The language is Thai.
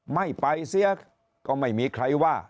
ไม่ไปเสียก็ไม่มีใครว่า